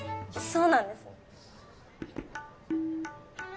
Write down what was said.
そうなんですね。